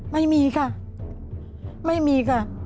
ไม่มีค่ะไม่มีค่ะ